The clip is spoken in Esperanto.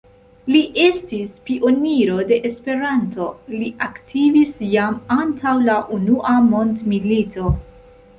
Li estis pioniro de Esperanto; li aktivis jam antaŭ la unua mondmilito.